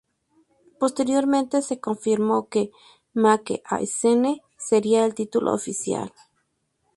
Posteriormente, se confirmó que "Make a Scene" sería el título oficial.